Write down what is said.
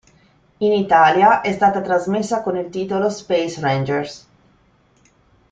In Italia è stata trasmessa con il titolo "Space Rangers".